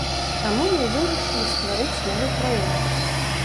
Таму мы вырашылі стварыць новы праект.